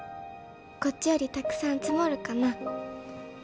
「こっちよりたくさん積もるかな」